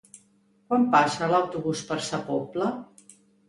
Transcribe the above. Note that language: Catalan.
Quan passa l'autobús per Sa Pobla?